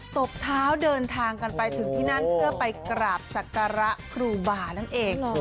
ตบเท้าเดินทางกันไปถึงที่นั่นเพื่อไปกราบศักระครูบานั่นเอง